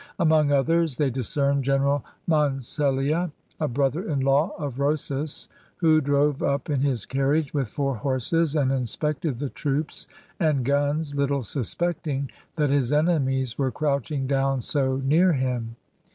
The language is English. Among others, they discerned General Moncellia, a brother in law of Rosas, who drove up in his carriage with four horses and inspected the troops and guns, little suspecting that his enemies were crouching down so near him.